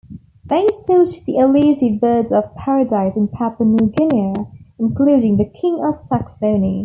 They sought the elusive birds-of-paradise in Papua New Guinea including the King of Saxony.